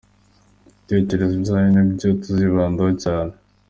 Ibitekerezo byanyu ni byo tuzibandaho cyane.